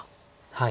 はい。